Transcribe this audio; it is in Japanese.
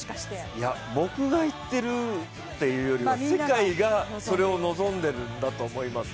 いや、僕が言ってるっていうよりは、世界がそれを望んでるんだと思います。